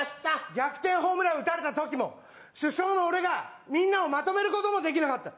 逆転ホームラン打たれたときも、主将の俺がみんなをまとめることもできなかった。